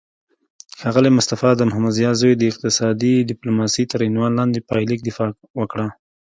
ښاغلی مصطفی د محمدضیا زوی د اقتصادي ډیپلوماسي تر عنوان لاندې پایلیک دفاع وکړه